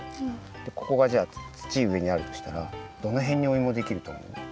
ここがじゃあ土上にあるとしたらどのへんにおいもできるとおもう？